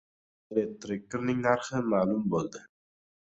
«Chevrolet Tracker»ning narxi ma’lum bo‘ldi